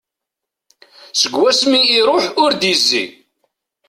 Seg wasmi i iruḥ ur d-yezzi.